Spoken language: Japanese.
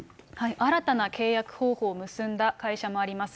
新たな契約方法を結んだ会社もあります。